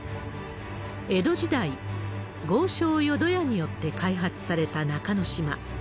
江戸時代、豪商、淀屋によって開発された中之島。